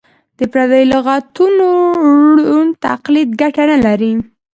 د پردیو لغتونو ړوند تقلید ګټه نه لري.